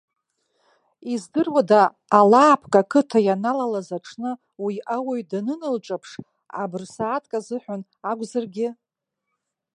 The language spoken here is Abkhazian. Издыруада, алаапк ақыҭа ианалалаз аҽны, уи ауаҩ даныналҿаԥш, абырсааҭк азыҳәан акәзаргьы.